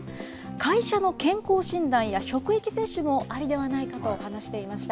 会社の健康診断や職域接種もありではないかと話していました。